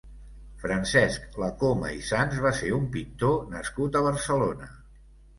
Francesc Lacoma i Sans va ser un pintor nascut a Barcelona.